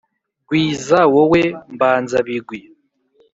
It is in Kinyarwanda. gwiza wowe mbanzabigwi,